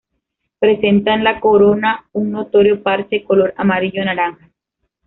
Presenta en la corona un notorio parche color amarillo naranja.